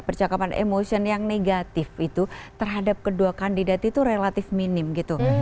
percakapan emotion yang negatif itu terhadap kedua kandidat itu relatif minim gitu